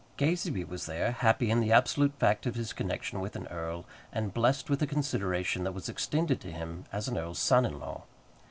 Gazebee was there, happy in the absolute fact of his connection with an earl, and blessed with the consideration that was extended to him as an earl's son in law.